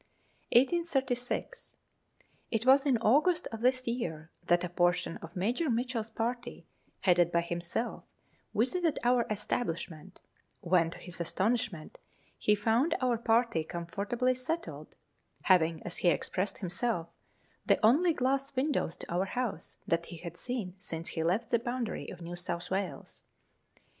1836. It was in August of this year that a portion of Major Mitchell's party, headed by himself, visited our establishment, when to his astonishment he found our party comfortably settled (having, as he expressed himself, the only glass windows to our house that he had seen since he left the boundary of New South Letters from Victorian Pioneers. 2G3 Wales).